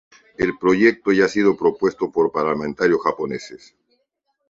El proyecto ya ha sido propuesto por parlamentarios japoneses.